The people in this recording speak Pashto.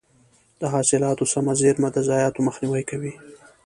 د حاصلاتو سمه زېرمه د ضایعاتو مخنیوی کوي.